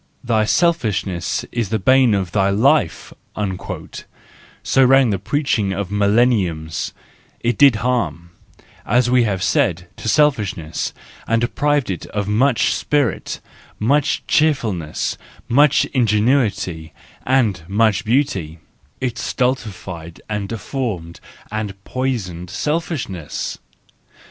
"Thy selfishness is the bane of thy life"—so rang the preaching for millenniums : it did harm, as we have said, to selfishness, and deprived it of much spirit, much cheerfulness, much ingenuity, and much beauty; it stultified and deformed and poisoned selfishness!